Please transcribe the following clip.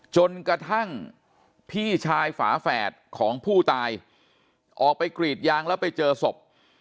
จนกระทั่งพี่ชายฝาแฝดของผู้ตายออกไปกรีดยางแล้วไปเจอศพ